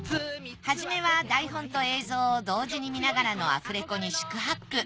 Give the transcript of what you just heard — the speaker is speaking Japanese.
初めは台本と映像を同時に見ながらのアフレコに四苦八苦。